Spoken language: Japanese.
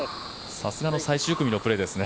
さすがの最終組のプレーですね。